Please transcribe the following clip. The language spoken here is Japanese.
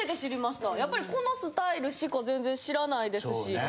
やっぱりこのスタイルしか全然知らないですし。